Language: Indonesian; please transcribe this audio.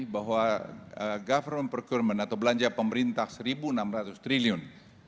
bahwa government percurement atau belanja pemerintah rp satu enam ratus triliun